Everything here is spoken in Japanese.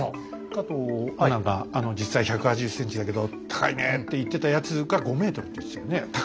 加藤アナが実際１８０ｃｍだけど高いねって言ってたやつが５ｍって言ってたよね高さが。